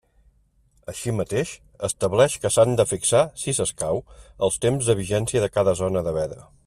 Així mateix, estableix que s'han de fixar, si escau, els temps de vigència de cada zona de veda.